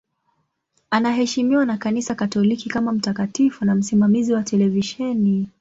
Anaheshimiwa na Kanisa Katoliki kama mtakatifu na msimamizi wa televisheni.